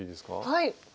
はい。